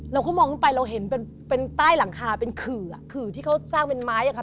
เราก็มองขึ้นไปเราเห็นเป็นใต้หลังคาเป็นขื่อขื่อที่เขาสร้างเป็นไม้อะค่ะ